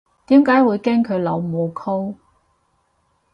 點解會經佢老母溝